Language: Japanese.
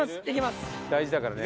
大事だからね。